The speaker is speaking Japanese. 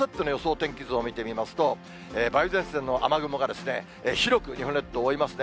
天気図を見てみますと、梅雨前線の雨雲が広く日本列島を覆いますね。